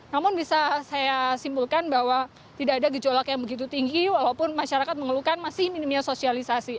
namun bisa saya simpulkan bahwa tidak ada gejolak yang begitu tinggi walaupun masyarakat mengeluhkan masih minimnya sosialisasi